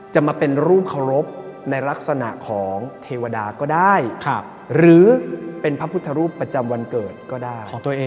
จะมาเป็นรูปเคารพในลักษณะของเทวดาก็ได้หรือเป็นพระพุทธรูปประจำวันเกิดก็ได้ของตัวเอง